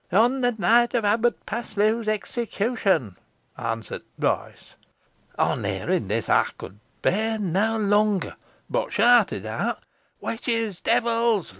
'On the night of Abbot Paslew's execution,' awnsert t' voice. On hearing this, ey could bear nah lunger, boh shouted out, 'Witches! devils!